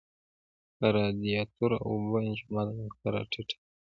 دا د رادیاتور د اوبو انجماد نقطه را ټیټه کړي.